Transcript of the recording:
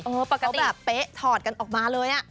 ปกติแบบเป๊ะถอดกันออกมาเลย